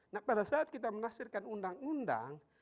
nah pada saat kita menafsirkan undang undang